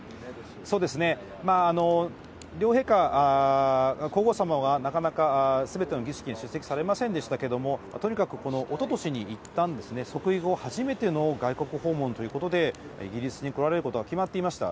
両陛下、皇后さまはなかなか、すべての儀式に出席されませんでしたけれども、とにかく、おととしにいったん、即位後初めての外国訪問ということで、イギリスに来られることが決まっていました。